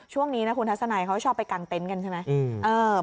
ช่วงนี้นะคุณทัศนัยเขาชอบไปกางเต็นต์กันใช่ไหม